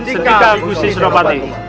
sendika gusti sinopati